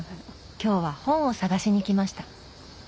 今日は本を探しに来ました